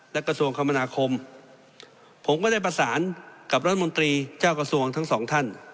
และกระทรวงคมนาคมผมก็ได้ประสานกับรัฐมนตรีเจ้ากระทรวงทั้งสองท่าน